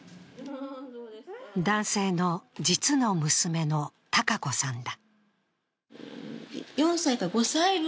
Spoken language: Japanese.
男性の実の娘のたかこさんだ。